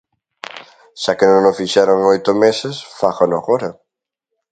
Xa que non o fixeron en oito meses, fágano agora.